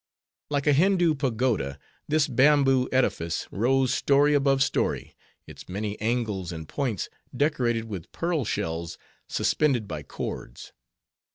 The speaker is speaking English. Like a Hindoo pagoda, this bamboo edifice rose story above story; its many angles and points decorated with pearl shells suspended by cords.